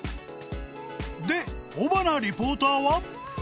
で、尾花リポーターは。